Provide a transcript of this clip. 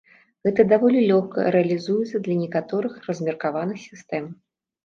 Гэта даволі лёгка рэалізуецца для некаторых размеркаваных сістэм.